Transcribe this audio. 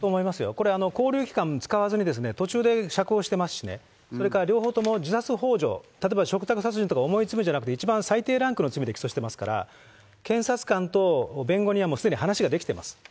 これ、勾留期間使わずに途中で釈放してますしね、それから両方とも自殺ほう助、例えば嘱託殺人とか重い罪じゃなくて一番最低ランクの罪で起訴してますから、検察官と弁護人はもうすでに話ができてます。